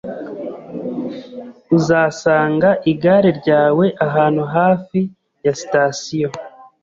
Uzasanga igare ryawe ahantu hafi ya sitasiyo.